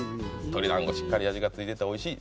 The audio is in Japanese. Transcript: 「鶏団子しっかり味がついてて美味しい」